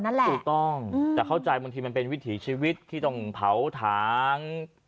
นั่นแหละถูกต้องแต่เข้าใจบางทีมันเป็นวิถีชีวิตที่ต้องเผาถาง